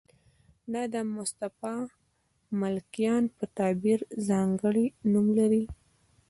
دا د مصطفی ملکیان په تعبیر ځانګړی نوم لري.